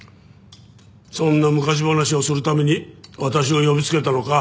そんな昔話をするために私を呼びつけたのか？